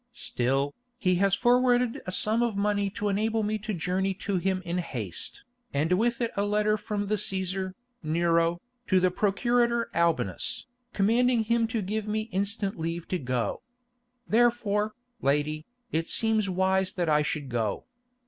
Still, he has forwarded a sum of money to enable me to journey to him in haste, and with it a letter from the Cæsar, Nero, to the procurator Albinus, commanding him to give me instant leave to go. Therefore, lady, it seems wise that I should go."